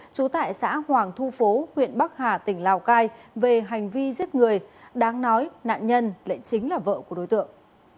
trú tại xã hoàng thu phố huyện bắc hà tỉnh lào cai về hành vi giết người đáng nói nạn nhân lại chính là vợ của đối tượng